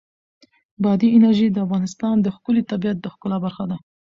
بادي انرژي د افغانستان د ښکلي طبیعت د ښکلا برخه ده.